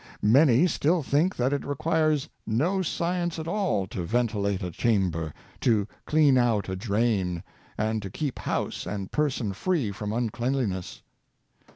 Many still think that it requires no science at all to ventilate a chamber, to clean out a drain, and to keep house and person free from unclean liness.